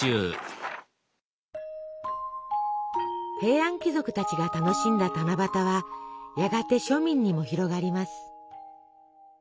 平安貴族たちが楽しんだ七夕はやがて庶民にも広がります。